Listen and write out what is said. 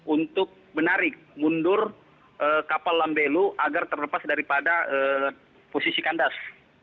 untuk menarik mundur kapal lambelu agar terlepas daripada posisi kandas